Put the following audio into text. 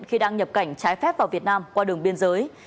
khi đang nhập cảnh trái phép vào việt nam qua đường biên giới